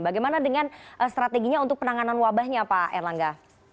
bagaimana dengan strateginya untuk penanganan wabahnya pak erlangga